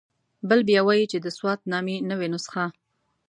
بل بیا وایي چې د سوات نامې نوې نسخه.